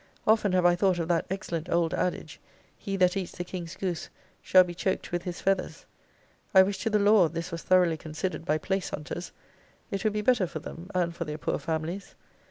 Often have I thought of that excellent old adage; He that eats the king's goose, shall be choked with his feathers. I wish to the Lord, this was thoroughly considered by place hunters! it would be better for them, and for their poor families.